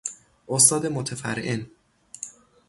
استاد متفرعن